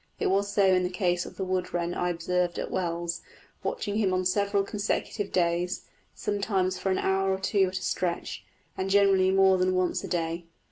It was so in the case of the wood wren I observed at Wells, watching him on several consecutive days, sometimes for an hour or two at a stretch, and generally more than once a day.